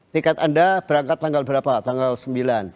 tiket anda berangkat tanggal berapa tanggal sembilan